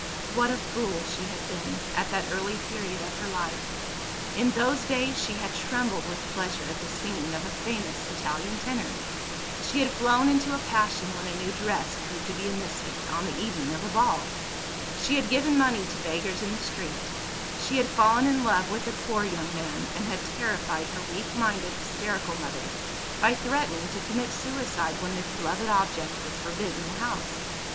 What a fool she had been, at that early period of her life! In those days, she had trembled with pleasure at the singing of a famous Italian tenor; she had flown into a passion when a new dress proved to be a misfit, on the evening of a ball; she had given money to beggars in the street; she had fallen in love with a poor young man, and had terrified her weak minded hysterical mother, by threatening to commit suicide when the beloved object was forbidden the house.